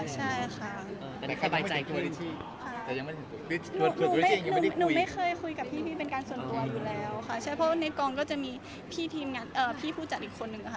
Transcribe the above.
ใช่เพราะว่าในกองก็จะมีพี่พูจัดอีกคนนึงค่ะ